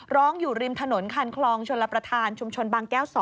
ร้องอยู่ริมถนนคันคลองชลประธานชุมชนบางแก้ว๒